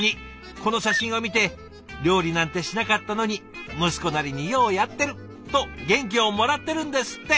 この写真を見て「料理なんてしなかったのに息子なりにようやってる！」と元気をもらってるんですって！